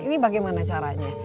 ini bagaimana caranya